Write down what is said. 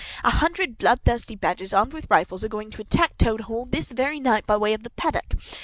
A hundred bloodthirsty badgers, armed with rifles, are going to attack Toad Hall this very night, by way of the paddock.